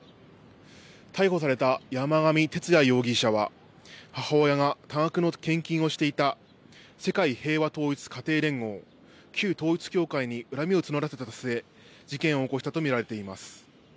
逮捕された山上徹也容疑者は、母親が多額の献金をしていた世界平和統一家庭連合、旧統一教会に恨みを募らせた末、事件を起こしたと見られています。